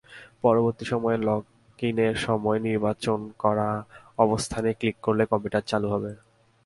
পরবর্তী সময়ে লগইনের সময় নির্বাচন করা অবস্থানে ক্লিক করলেই কম্পিউটার চালু হবে।